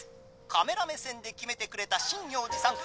カメラ目線できめてくれた真行寺さん。